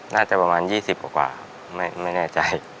น่าจะประมาณ๒๐กว่าไม่แน่ใจ